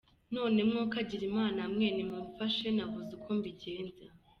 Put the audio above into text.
None mwo kagirimana mwe nimumfashe nabuze uko mbigenza.